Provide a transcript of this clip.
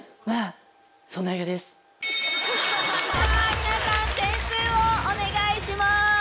皆さん点数をお願いします。